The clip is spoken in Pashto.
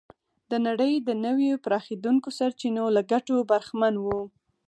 د نړۍ د نویو پراخېدونکو سرچینو له ګټو برخمن و.